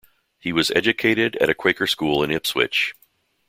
He was educated at a Quaker school in Ipswich.